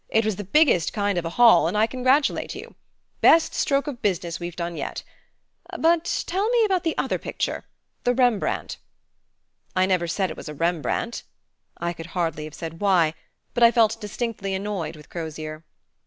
It was the biggest kind of a haul and I congratulate you. Best stroke of business we've done yet. But tell me about the other picture the Rembrandt." "I never said it was a Rembrandt." I could hardly have said why, but I felt distinctly annoyed with Crozier.